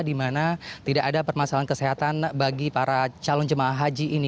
di mana tidak ada permasalahan kesehatan bagi para calon jemaah haji ini